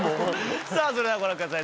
さぁそれではご覧ください